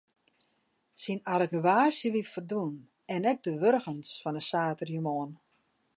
Syn argewaasje wie ferdwûn en ek de wurgens fan de saterdeitemoarn.